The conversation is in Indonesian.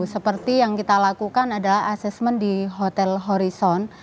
seperti yang kita lakukan adalah assessment di hotel horison